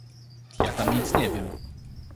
— Ja tam nic nie wiem…